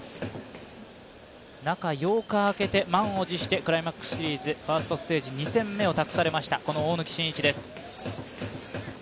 中８日あけて満を持してクライマックスシリーズファーストステージ２戦目を託されました大貫晋一です。